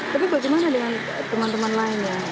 tapi bagaimana dengan teman teman lainnya